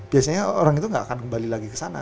biasanya orang itu gak akan kembali lagi kesana